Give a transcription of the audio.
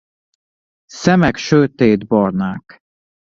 Szemek sötétbarnák.